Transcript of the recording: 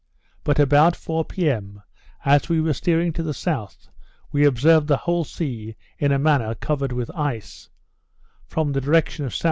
But about four p.m. as we were steering to the south, we observed the whole sea in a manner covered with ice, from the direction of S.E.